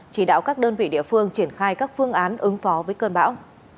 chỉ đạo các đơn vị địa phương triển khai các phương án ứng phó với cơn bão